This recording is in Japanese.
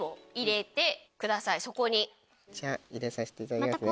じゃあ入れさせていただきます。